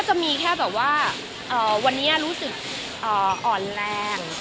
จะมีแค่แบบว่าวันนี้รู้สึกอ่อนแรง